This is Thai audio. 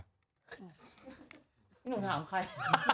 นี่หนูถามใคร